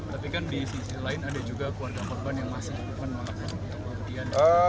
tapi kan di sisi lain ada juga keluarga korban yang masih menolak